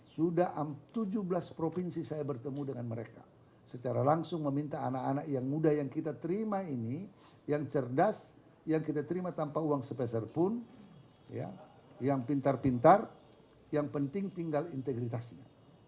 sudah tujuh belas provinsi saya bertemu dengan mereka secara langsung meminta anak anak yang muda yang kita terima ini yang cerdas yang kita terima tanpa uang sepeserpun yang pintar pintar yang penting tinggal integritasnya